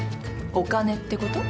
お金ってこと？